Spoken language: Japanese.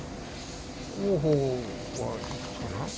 王鵬はいくつかな。